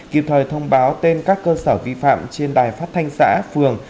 kịp thời thông báo tên các cơ sở vi phạm trên đài phát thanh xã phường